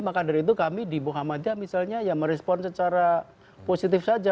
maka dari itu kami di muhammadiyah misalnya ya merespon secara positif saja